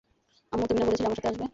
আম্মু, তুমি না বলেছিলে আমার সাথে আসবে?